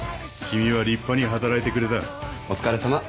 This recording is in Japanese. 君は立派に働いてくれた。